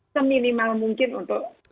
seminimal mungkin untuk